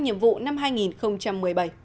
nhiệm vụ năm hai nghìn một mươi bảy